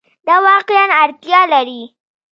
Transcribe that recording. دا واقعیا اړتیا لري